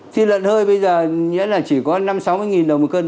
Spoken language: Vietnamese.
thì lận hơi bây giờ chỉ có năm sáu nghìn đồng một cân